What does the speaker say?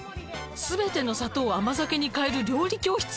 「全ての砂糖を甘酒に代える料理教室」